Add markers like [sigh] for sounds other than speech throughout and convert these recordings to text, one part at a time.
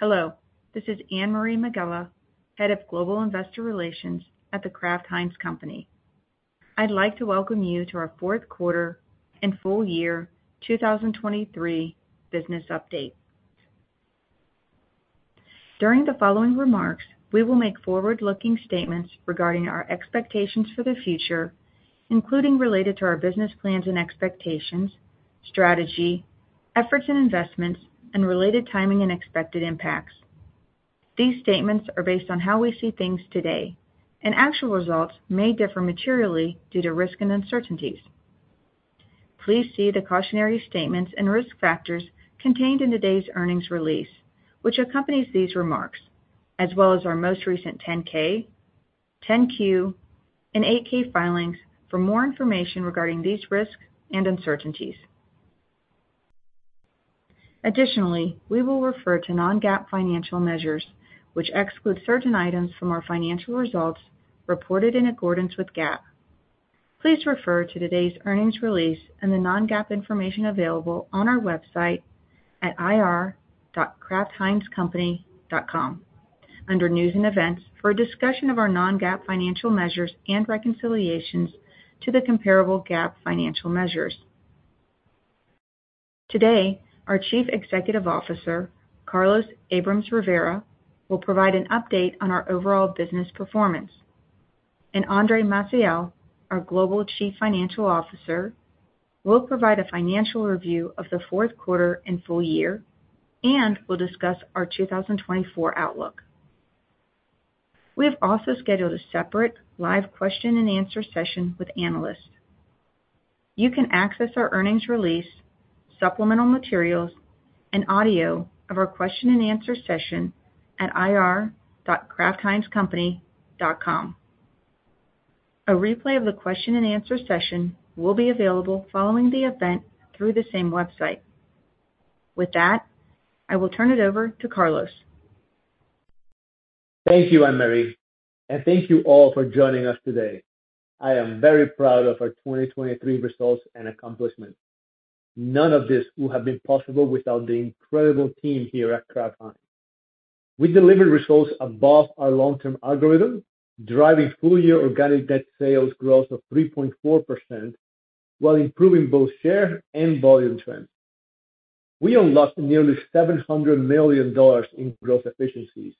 Hello, this is Anne-Marie Megela, Head of Global Investor Relations at The Kraft Heinz Company. I'd like to welcome you to our fourth quarter and full year 2023 business update. During the following remarks, we will make forward-looking statements regarding our expectations for the future, including related to our business plans and expectations, strategy, efforts and investments, and related timing and expected impacts. These statements are based on how we see things today, and actual results may differ materially due to risk and uncertainties. Please see the cautionary statements and risk factors contained in today's earnings release, which accompanies these remarks, as well as our most recent 10-K, 10-Q, and 8-K filings for more information regarding these risks and uncertainties. Additionally, we will refer to non-GAAP financial measures, which exclude certain items from our financial results reported in accordance with GAAP. Please refer to today's earnings release and the non-GAAP information available on our website at ir.kraftheinzcompany.com under News and Events for a discussion of our non-GAAP financial measures and reconciliations to the comparable GAAP financial measures. Today, our Chief Executive Officer, Carlos Abrams-Rivera, will provide an update on our overall business performance, and Andre Maciel, our Global Chief Financial Officer, will provide a financial review of the fourth quarter and full year, and will discuss our 2024 outlook. We have also scheduled a separate live question-and-answer session with analysts. You can access our earnings release, supplemental materials, and audio of our question-and-answer session at ir.kraftheinzcompany.com. A replay of the question-and-answer session will be available following the event through the same website. With that, I will turn it over to Carlos. Thank you, Anne-Marie, and thank you all for joining us today. I am very proud of our 2023 results and accomplishments. None of this would have been possible without the incredible team here at Kraft Heinz. We delivered results above our long-term algorithm, driving full-year organic net sales growth of 3.4% while improving both share and volume trends. We unlocked nearly $700 million in gross efficiencies,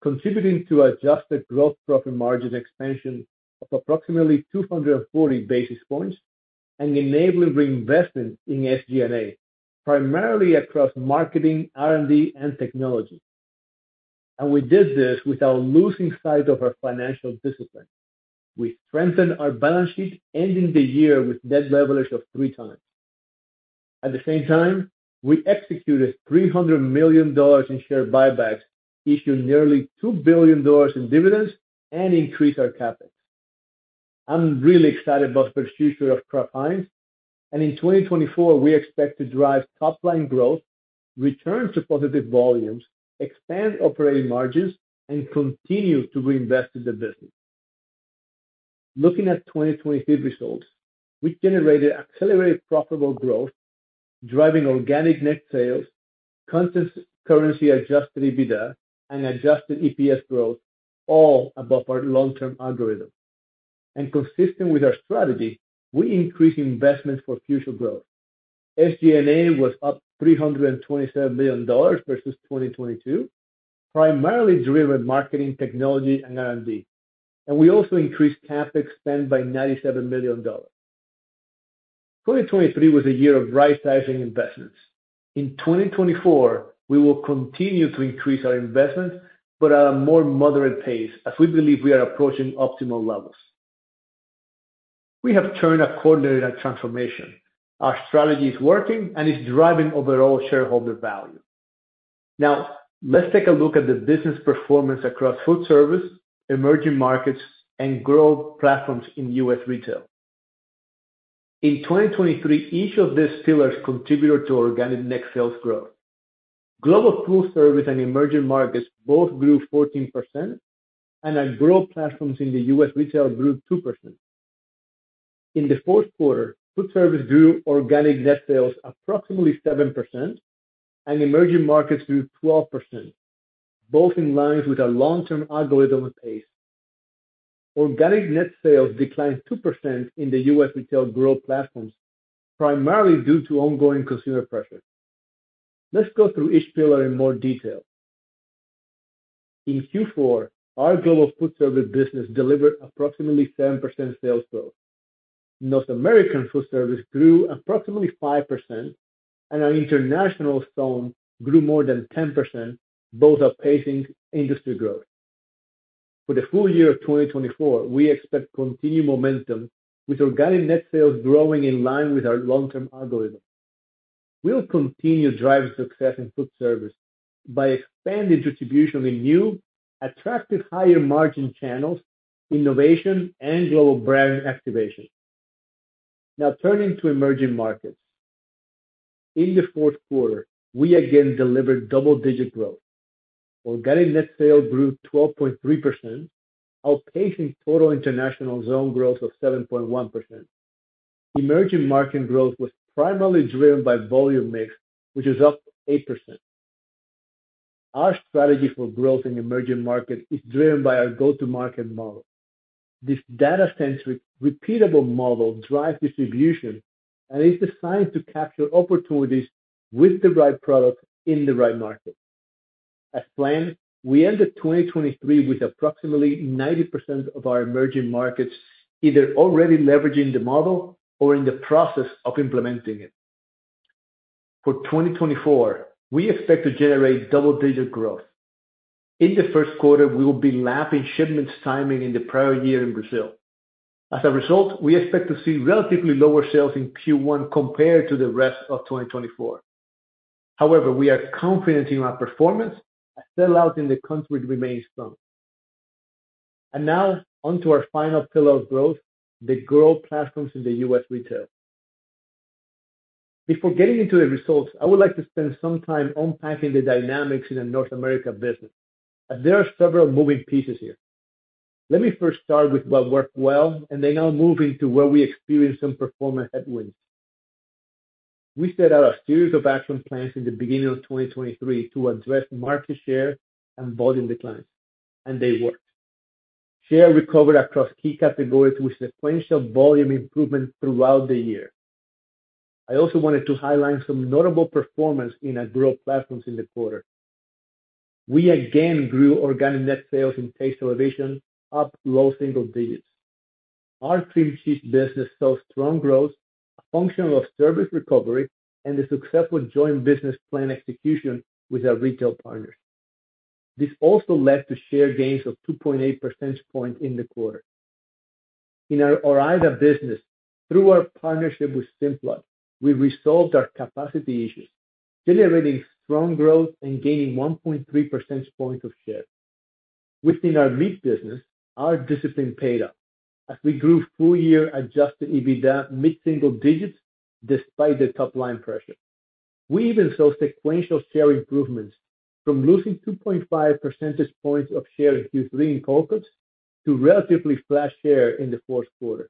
contributing to adjusted gross profit margin expansion of approximately 240 basis points and enabling reinvestment in SG&A, primarily across marketing, R&D, and technology. And we did this without losing sight of our financial discipline. We strengthened our balance sheet, ending the year with net leverage of three times. At the same time, we executed $300 million in share buybacks, issued nearly $2 billion in dividends, and increased our CapEx. I'm really excited about the future of Kraft Heinz, and in 2024, we expect to drive top-line growth, return to positive volumes, expand operating margins, and continue to reinvest in the business. Looking at 2023 results, we generated accelerated profitable growth, driving organic net sales, currency-adjusted EBITDA, and adjusted EPS growth, all above our long-term algorithm. And consistent with our strategy, we increased investments for future growth. SG&A was up $327 million versus 2022, primarily driven marketing, technology, and R&D, and we also increased CapEx spent by $97 million. 2023 was a year of right-sizing investments. In 2024, we will continue to increase our investments but at a more moderate pace as we believe we are approaching optimal levels. We have turned a corner in our transformation. Our strategy is working and is driving overall shareholder value. Now, let's take a look at the business performance across food service, emerging markets, and growth platforms in U.S. retail. In 2023, each of these pillars contributed to organic net sales growth. Global food service and emerging markets both grew 14%, and our growth platforms in the U.S. retail grew 2%. In the fourth quarter, food service grew organic net sales approximately 7%, and emerging markets grew 12%, both in line with our long-term algorithm pace. Organic net sales declined 2% in the U.S. retail growth platforms, primarily due to ongoing consumer pressure. Let's go through each pillar in more detail. In Q4, our global food service business delivered approximately 7% sales growth. North American food service grew approximately 5%, and our international zone grew more than 10%, both outpacing industry growth. For the full year of 2024, we expect continued momentum with organic net sales growing in line with our long-term algorithm. We'll continue to drive success in food service by expanding distribution in new, attractive higher-margin channels, innovation, and global brand activation. Now, turning to emerging markets. In the fourth quarter, we again delivered double-digit growth. Organic net sales grew 12.3%, outpacing total international zone growth of 7.1%. Emerging market growth was primarily driven by volume mix, which is up 8%. Our strategy for growth in emerging markets is driven by our go-to-market model. This data-centric, repeatable model drives distribution and is designed to capture opportunities with the right product in the right market. As planned, we ended 2023 with approximately 90% of our emerging markets either already leveraging the model or in the process of implementing it. For 2024, we expect to generate double-digit growth. In the first quarter, we will be lapping shipments timing in the prior year in Brazil. As a result, we expect to see relatively lower sales in Q1 compared to the rest of 2024. However, we are confident in our performance as sellouts in the country remain strong. Now, onto our final pillar of growth, the growth platforms in the U.S. retail. Before getting into the results, I would like to spend some time unpacking the dynamics in the North America business, as there are several moving pieces here. Let me first start with what worked well, and then I'll move into where we experienced some performance headwinds. We set out a series of action plans in the beginning of 2023 to address market share and volume declines, and they worked. Share recovered across key categories with sequential volume improvement throughout the year. I also wanted to highlight some notable performance in our growth platforms in the quarter. We again grew organic net sales in taste elevation, up low single digits. Our cream cheese business saw strong growth, a function of service recovery, and the successful joint business plan execution with our retail partners. This also led to share gains of 2.8 percentage points in the quarter. In our Ore-Ida business, through our partnership with Simplot, we resolved our capacity issues, generating strong growth and gaining 1.3 percentage points of share. Within our meat business, our discipline paid off as we grew full-year Adjusted EBITDA mid-single digits despite the top-line pressure. We even saw sequential share improvements from losing 2.5 percentage points of share in Q3 in cold cuts to relatively flat share in the fourth quarter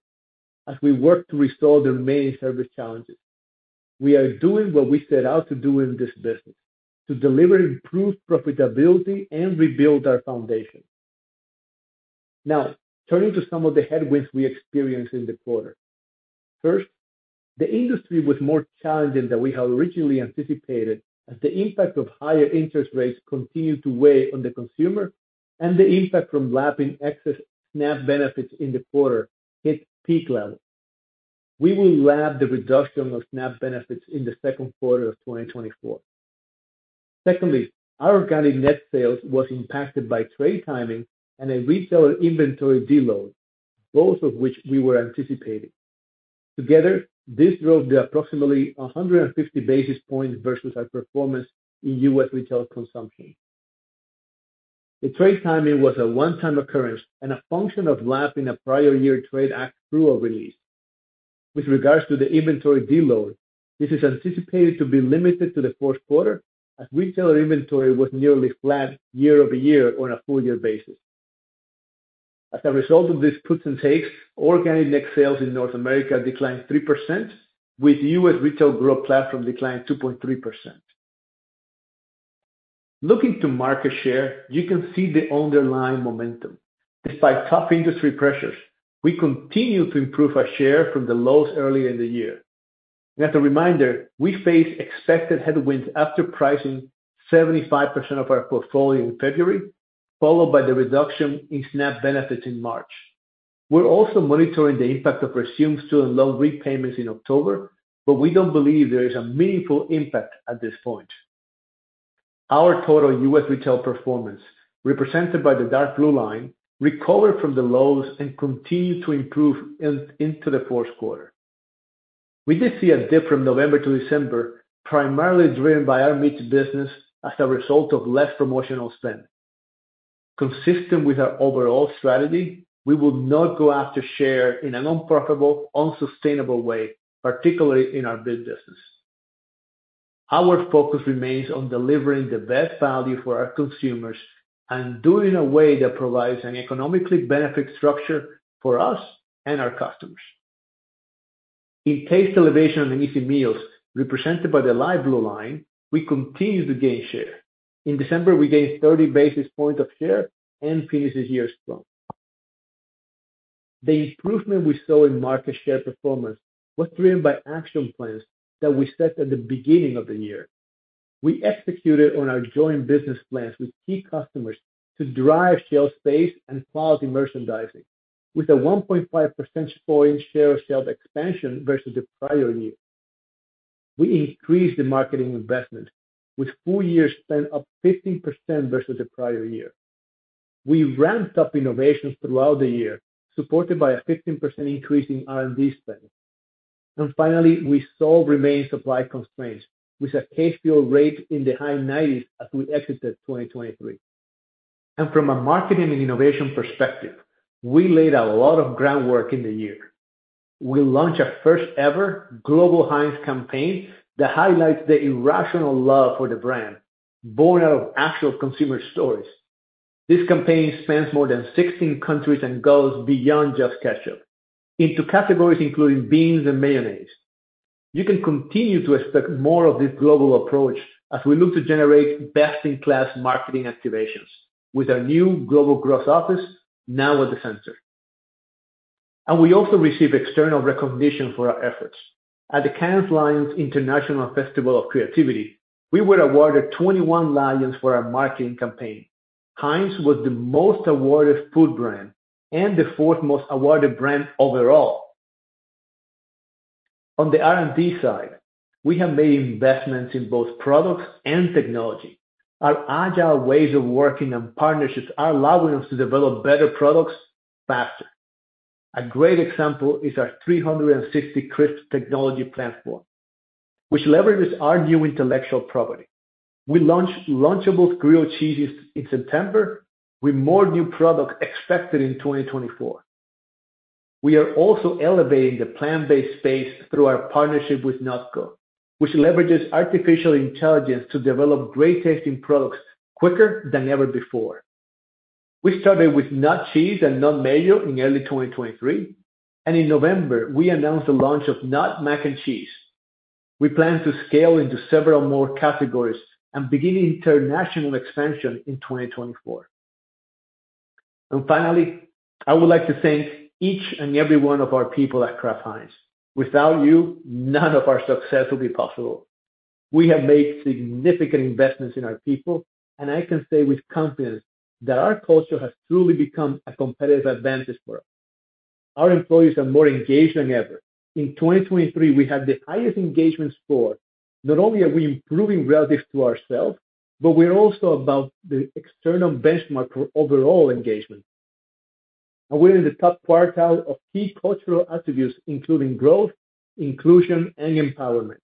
as we worked to resolve the remaining service challenges. We are doing what we set out to do in this business, to deliver improved profitability and rebuild our foundation. Now, turning to some of the headwinds we experienced in the quarter. First, the industry was more challenging than we had originally anticipated as the impact of higher interest rates continued to weigh on the consumer, and the impact from lapping excess SNAP benefits in the quarter hit peak levels. We will lap the reduction of SNAP benefits in the second quarter of 2024. Secondly, our organic net sales were impacted by trade timing and a retailer inventory deload, both of which we were anticipating. Together, this drove the approximately 150 basis points versus our performance in U.S. retail consumption. The trade timing was a one-time occurrence and a function of lapping a prior-year trade act approval release. With regards to the inventory deload, this is anticipated to be limited to the fourth quarter as retailer inventory was nearly flat year-over-year on a full-year basis. As a result of these puts and takes, organic net sales in North America declined 3%, with U.S. retail growth platform declining 2.3%. Looking to market share, you can see the underlying momentum. Despite tough industry pressures, we continue to improve our share from the lows earlier in the year. And as a reminder, we faced expected headwinds after pricing 75% of our portfolio in February, followed by the reduction in SNAP benefits in March. We're also monitoring the impact of resumed student loan repayments in October, but we don't believe there is a meaningful impact at this point. Our total U.S. retail performance, represented by the dark blue line, recovered from the lows and continued to improve into the fourth quarter. We did see a dip from November to December, primarily driven by our meat business as a result of less promotional spend. Consistent with our overall strategy, we will not go after share in an unprofitable, unsustainable way, particularly in our. [audio distortion] Our focus remains on delivering the best value for our consumers and doing it in a way that provides an economically beneficial structure for us and our customers. In taste elevation and easy meals, represented by the light blue line, we continue to gain share. In December, we gained 30 basis points of share and finished the year strong. The improvement we saw in market share performance was driven by action plans that we set at the beginning of the year. We executed on our joint business plans with key customers to drive shelf space and quality merchandising, with a 1.5% [audio distortion] share of shelf expansion versus the prior year. We increased the marketing investment, with full-year spend up 15% versus the prior year. We ramped up innovations throughout the year, supported by a 15% increase in R&D spend. And finally, we solved remaining supply constraints, with a case fill rate in the high 90s as we exited 2023. And from a marketing and innovation perspective, we laid a lot of groundwork in the year. We launched our first-ever Global Heinz campaign that highlights the irrational love for the brand, born out of actual consumer stories. This campaign spans more than 16 countries and goes beyond just ketchup, into categories including beans and mayonnaise. You can continue to expect more of this global approach as we look to generate best-in-class marketing activations, with our new global growth office now at the center. And we also received external recognition for our efforts. At the Cannes Lions International Festival of Creativity, we were awarded 21 Lions for our marketing campaign. Heinz was the most awarded food brand and the fourth most awarded brand overall. On the R&D side, we have made investments in both products and technology. Our agile ways of working and partnerships are allowing us to develop better products faster. A great example is our 360CRISP technology platform, which leverages our new intellectual property. We launched Lunchables Grilled Cheesies in September, with more new products expected in 2024. We are also elevating the plant-based space through our partnership with NotCo, which leverages artificial intelligence to develop great-tasting products quicker than ever before. We started with NotCheese and NotMayo in early 2023, and in November, we announced the launch of NotMac&Cheese. We plan to scale into several more categories and begin international expansion in 2024. Finally, I would like to thank each and every one of our people at Kraft Heinz. Without you, none of our success would be possible. We have made significant investments in our people, and I can say with confidence that our culture has truly become a competitive advantage for us. Our employees are more engaged than ever. In 2023, we had the highest engagement score. Not only are we improving relative to ourselves, but we're also above the external benchmark for overall engagement. And we're in the top quartile of key cultural attributes, including growth, inclusion, and empowerment.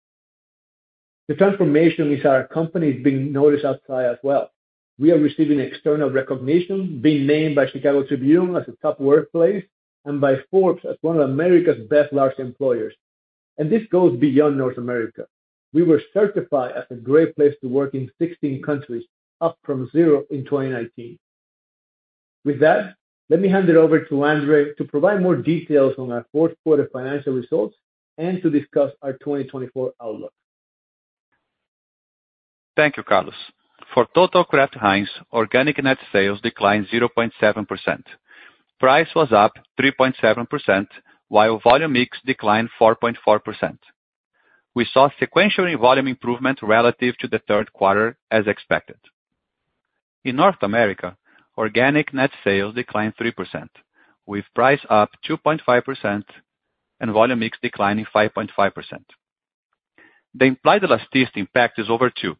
The transformation in our company is being noticed outside as well. We are receiving external recognition, being named by Chicago Tribune as a top workplace and by Forbes as one of America's best large employers. And this goes beyond North America. We were certified as a great place to work in 16 countries, up from zero in 2019. With that, let me hand it over to Andre to provide more details on our fourth quarter financial results and to discuss our 2024 outlook. Thank you, Carlos. For total Kraft Heinz, Organic Net Sales declined 0.7%. Price was up 3.7%, while volume mix declined 4.4%. We saw sequential in volume improvement relative to the third quarter, as expected. In North America, Organic Net Sales declined 3%, with price up 2.5% and volume mix declining 5.5%. The implied elasticity impact is outturned,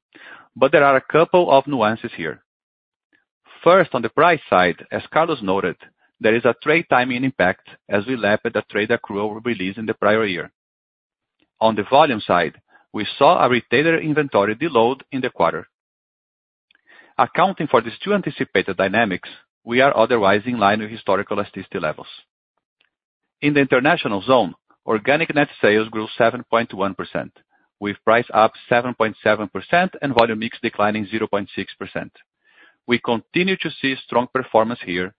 but there are a couple of nuances here. First, on the price side, as Carlos noted, there is a trade timing impact as we lap the trade accrual released in the prior year. On the volume side, we saw a retailer inventory deload in the quarter. Accounting for these two anticipated dynamics, we are otherwise in line with historical elasticity levels. In the International Zone, Organic Net Sales grew 7.1%, with price up 7.7% and volume mix declining 0.6%. We continue to see strong performance here,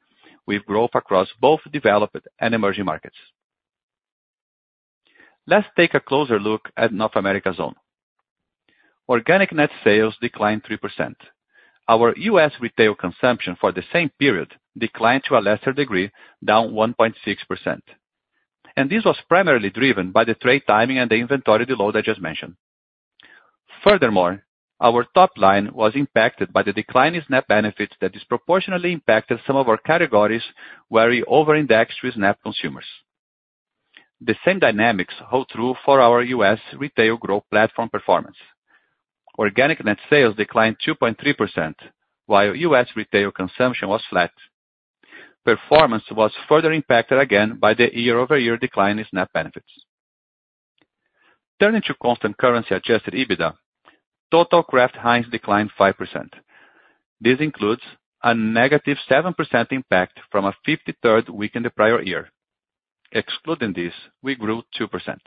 with growth across both developed and emerging markets. Let's take a closer look at North America Zone. Organic Net Sales declined 3%. Our U.S. retail consumption for the same period declined to a lesser degree, down 1.6%. And this was primarily driven by the trade timing and the inventory deload I just mentioned. Furthermore, our top line was impacted by the declining SNAP benefits that disproportionately impacted some of our categories where we over-indexed with SNAP consumers. The same dynamics hold true for our U.S. retail growth platform performance. Organic Net Sales declined 2.3%, while U.S. retail consumption was flat. Performance was further impacted again by the year-over-year decline in SNAP benefits. Turning to constant currency-adjusted EBITDA, total Kraft Heinz declined 5%. This includes a -7% impact from a 53rd week in the prior year. Excluding this, we grew 2%.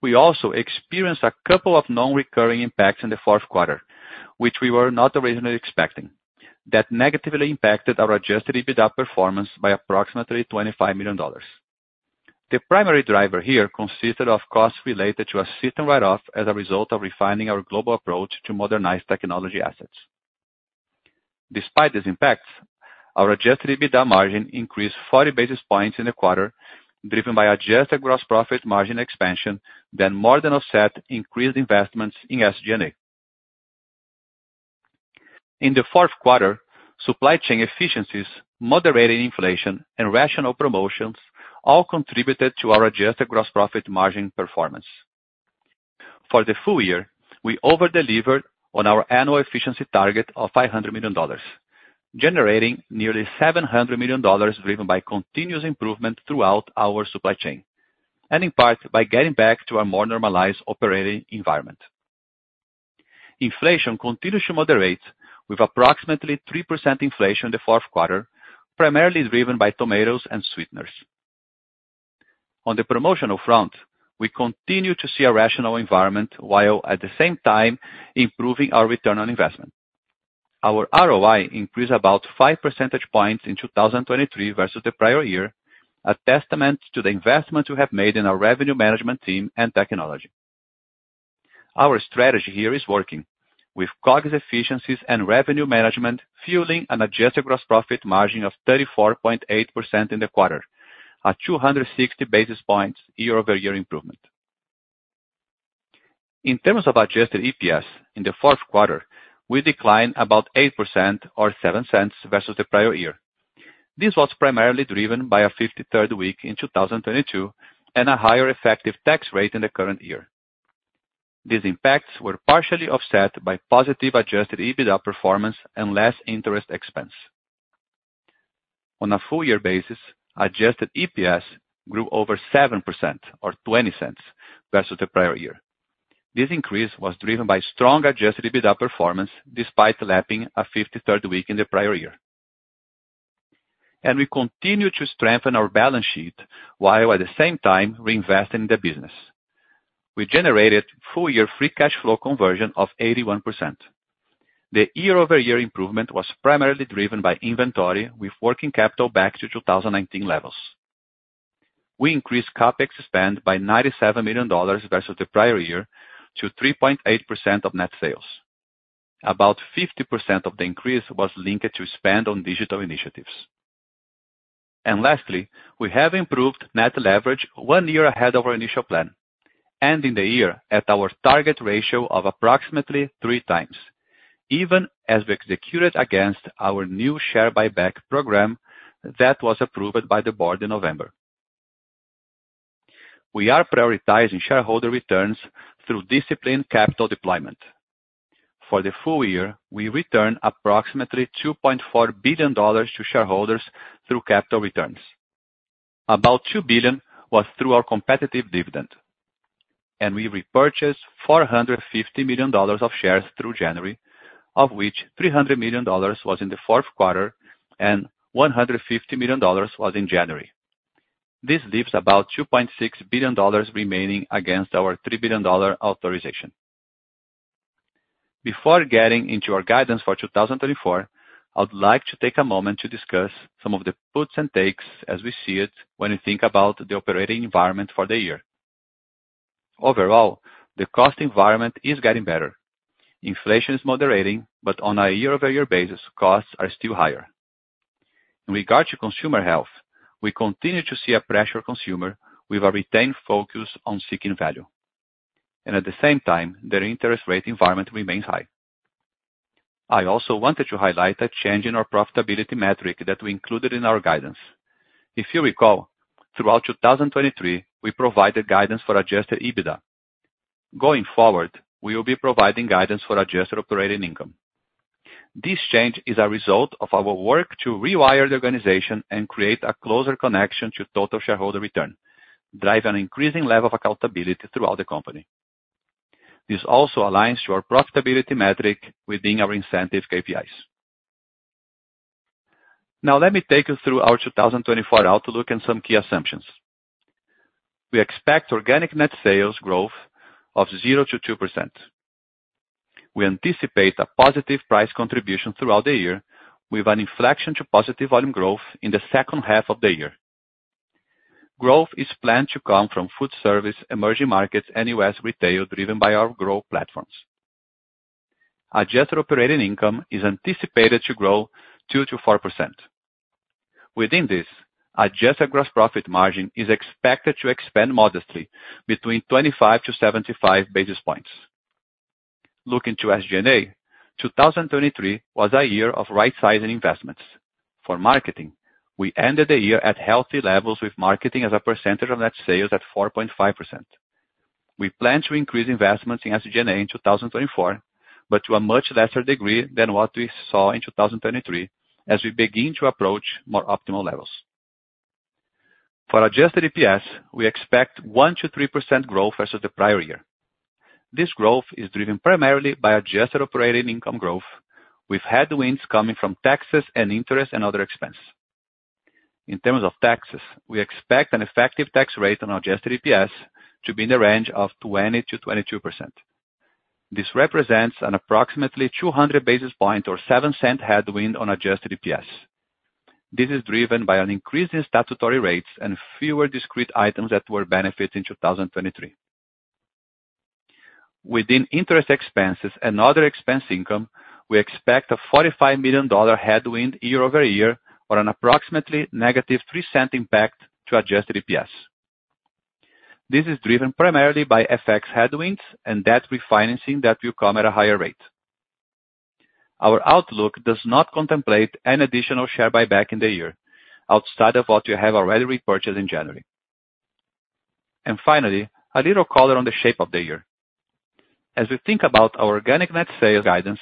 We also experienced a couple of known recurring impacts in the fourth quarter, which we were not originally expecting, that negatively impacted our adjusted EBITDA performance by approximately $25 million. The primary driver here consisted of costs related to asset write-off as a result of refining our global approach to modernized technology assets. Despite these impacts, our adjusted EBITDA margin increased 40 basis points in the quarter, driven by adjusted gross profit margin expansion that more than offset increased investments in SG&A. In the fourth quarter, supply chain efficiencies, moderating inflation, and rational promotions all contributed to our adjusted gross profit margin performance. For the full year, we over-delivered on our annual efficiency target of $500 million, generating nearly $700 million driven by continuous improvement throughout our supply chain, and in part by getting back to our more normalized operating environment. Inflation continues to moderate, with approximately 3% inflation in the fourth quarter, primarily driven by tomatoes and sweeteners. On the promotional front, we continue to see a rational environment while, at the same time, improving our return on investment. Our ROI increased about five percentage points in 2023 versus the prior year, a testament to the investment we have made in our revenue management team and technology. Our strategy here is working, with COGS efficiencies and revenue management fueling an adjusted gross profit margin of 34.8% in the quarter, a 260 basis points year-over-year improvement. In terms of adjusted EPS, in the fourth quarter, we declined about 8% or $0.07 versus the prior year. This was primarily driven by a 53rd week in 2022 and a higher effective tax rate in the current year. These impacts were partially offset by positive adjusted EBITDA performance and less interest expense. On a full-year basis, adjusted EPS grew over 7% or $0.20 versus the prior year. This increase was driven by strong adjusted EBITDA performance despite lapping a 53rd week in the prior year. And we continue to strengthen our balance sheet while, at the same time, reinvesting in the business. We generated full-year free cash flow conversion of 81%. The year-over-year improvement was primarily driven by inventory, with working capital back to 2019 levels. We increased CapEx spend by $97 million versus the prior year to 3.8% of net sales. About 50% of the increase was linked to spend on digital initiatives. And lastly, we have improved net leverage one year ahead of our initial plan, ending the year at our target ratio of approximately three times, even as we executed against our new share buyback program that was approved by the board in November. We are prioritizing shareholder returns through disciplined capital deployment. For the full year, we returned approximately $2.4 billion to shareholders through capital returns. About $2 billion was through our competitive dividend. And we repurchased $450 million of shares through January, of which $300 million was in the fourth quarter and $150 million was in January. This leaves about $2.6 billion remaining against our $3 billion authorization. Before getting into our guidance for 2024, I would like to take a moment to discuss some of the puts and takes as we see it when we think about the operating environment for the year. Overall, the cost environment is getting better. Inflation is moderating, but on a year-over-year basis, costs are still higher. In regard to consumer health, we continue to see a pressured consumer with a retained focus on seeking value. At the same time, their interest rate environment remains high. I also wanted to highlight a change in our profitability metric that we included in our guidance. If you recall, throughout 2023, we provided guidance for Adjusted EBITDA. Going forward, we will be providing guidance for Adjusted Operating Income. This change is a result of our work to rewire the organization and create a closer connection to total shareholder return, driving an increasing level of accountability throughout the company. This also aligns to our profitability metric within our incentive KPIs. Now, let me take you through our 2024 outlook and some key assumptions. We expect organic net sales growth of 0%-2%. We anticipate a positive price contribution throughout the year, with an inflection to positive volume growth in the second half of the year. Growth is planned to come from food service, emerging markets, and U.S. Retail driven by our growth platforms. Adjusted Operating Income is anticipated to grow 2%-4%. Within this, Adjusted Gross Profit Margin is expected to expand modestly between 25-75 basis points. Looking to SG&A, 2023 was a year of right-sizing investments. For marketing, we ended the year at healthy levels with marketing as a percentage of net sales at 4.5%. We plan to increase investments in SG&A in 2024, but to a much lesser degree than what we saw in 2023 as we begin to approach more optimal levels. For Adjusted EPS, we expect 1%-3% growth versus the prior year. This growth is driven primarily by adjusted operating income growth, with headwinds coming from taxes and interest and other expenses. In terms of taxes, we expect an effective tax rate on Adjusted EPS to be in the range of 20%-22%. This represents an approximately 200 basis points or $0.07 headwind on Adjusted EPS. This is driven by an increase in statutory rates and fewer discrete items that were benefits in 2023. Within interest expenses and other expense income, we expect a $45 million headwind year-over-year or an approximately -$0.03 impact to Adjusted EPS. This is driven primarily by FX headwinds and debt refinancing that will come at a higher rate. Our outlook does not contemplate any additional share buyback in the year, outside of what we have already repurchased in January. And finally, a little color on the shape of the year. As we think about our Organic Net Sales guidance,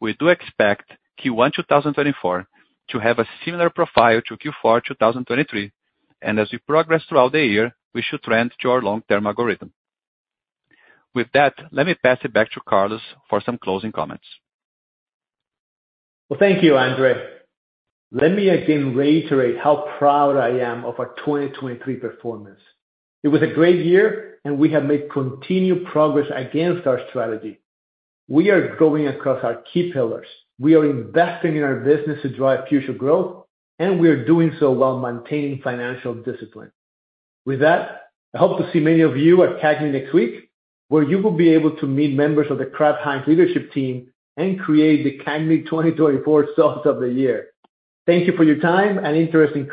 we do expect Q1 2024 to have a similar profile to Q4 2023, and as we progress throughout the year, we should trend to our long-term algorithm. With that, let me pass it back to Carlos for some closing comments. Well, thank you, Andre. Let me again reiterate how proud I am of our 2023 performance. It was a great year, and we have made continued progress against our strategy. We are growing across our key pillars. We are investing in our business to drive future growth, and we are doing so while maintaining financial discipline. With that, I hope to see many of you at CAGNY next week, where you will be able to meet members of the Kraft Heinz leadership team and create the CAGNY 2024 sauce of the year. Thank you for your time and interest in.